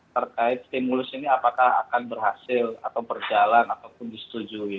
terkait stimulus ini apakah akan berhasil atau berjalan ataupun disetujui